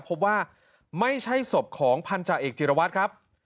พบว่าไม่ใช่ศพของพันธาเอกจิรวัตรครับ